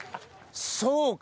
そうか！